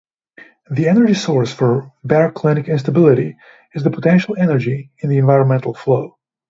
The energy source for baroclinic instability is the potential energy in the environmental flow.